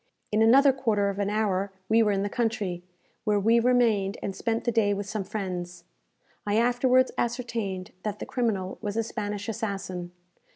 In another quarter of an hour we were in the country, where we remained and spent the day with some friends. I afterwards ascertained that the criminal was a Spanish assassin.